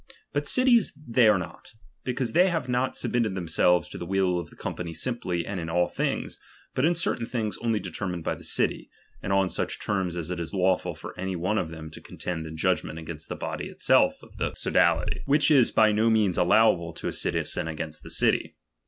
But cities they are not, because they have not submitted themselves to the will of the company simply and in all things, but in cer tdn things only determined by the city, and on such terms as it is lawful for any one of them to contend in judgment against the body itself of the 70 DOMINION. sodality; which is by no means allowable torn citizen against the city.